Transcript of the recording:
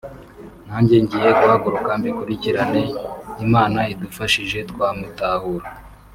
nanjye ngiye guhaguruka mbikurikirane imana idufashije twamutahura